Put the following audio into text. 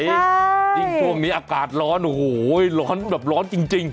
ยิ่งช่วงนี้อากาศร้อนโอ้โหร้อนแบบร้อนจริง